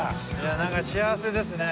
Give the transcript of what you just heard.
なんか幸せですね。